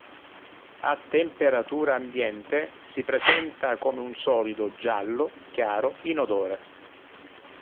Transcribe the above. A temperatura ambiente si presenta come un solido giallo chiaro inodore.